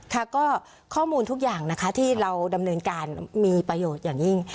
ค่ะก็ข้อมูลทุกอย่างนะคะที่เราดำเนินการมีประโยชน์อย่างยิ่ง